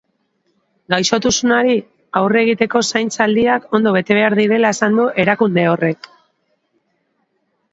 Gaixotasunari aurre egiteko zaintza aldiak ondo bete direla esan du erakunde horrek.